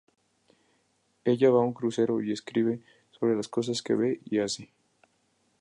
Ella va en un crucero y escribe sobre las cosas que ve y hace.